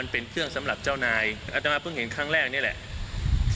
เป็นเครื่องสำหรับเจ้านายเพิ่งเห็นนึงแน่งแรกวันนี้